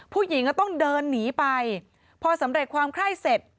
ผู้หญิงก็ต้องเดินหนีไปพอสำเร็จความไข้เสร็จ